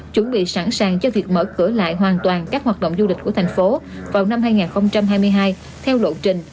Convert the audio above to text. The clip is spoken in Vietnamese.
chuẩn bị sẵn sàng cho việc mở cửa lại hoàn toàn các hoạt động du lịch của thành phố vào năm hai nghìn hai mươi hai theo lộ trình